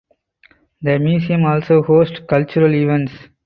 The museum also host cultural events.